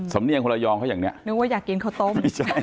เนียงคนระยองเขาอย่างนี้นึกว่าอยากกินข้าวต้ม